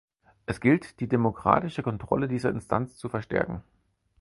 Es gilt die demokratische Kontrolle dieser Instanz zu verstärken.